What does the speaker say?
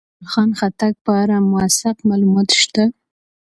ایا خوشحال خان خټک په اړه موثق معلومات شته؟